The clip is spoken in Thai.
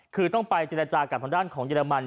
คือต้องไปเจรจากับทางด้านของเยอรมัน